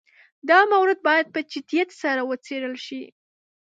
دا مورد باید په جدیت سره وڅېړل شي.